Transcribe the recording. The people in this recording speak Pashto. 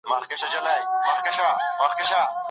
څنګه سوداګریز شرکتونه تازه میوه اروپا ته لیږدوي؟